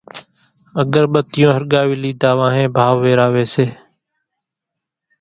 اڳر ٻتيون ۿرڳاوِي ليڌا وانھين ڀائو ويراوي سي